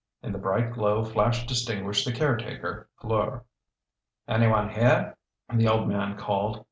In the bright glow Flash distinguished the caretaker, Fleur. "Anyone here?" the old man called.